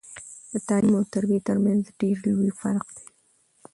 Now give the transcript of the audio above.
د تعليم او تربيه ترمنځ ډير لوي فرق دی